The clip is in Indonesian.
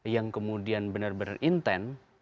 yang kemudian benar benar intent